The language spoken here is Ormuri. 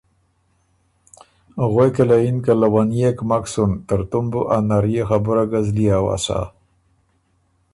غوېکه له یِن که ”لونيېک مک سُن، ترتُوم بُو ا نرئے خبُره ګۀ زلی اؤسا“